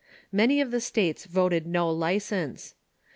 Many of the states voted no license.